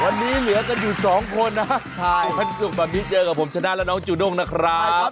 วันนี้เหลือกันอยู่๒คนนะครับสวัสดีครับวันนี้เจอกับผมชนะแล้วน้องจุด้งนะครับ